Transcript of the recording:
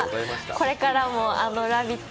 これからも「ラヴィット！」